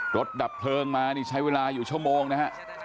ดับเพลิงมานี่ใช้เวลาอยู่ชั่วโมงนะฮะ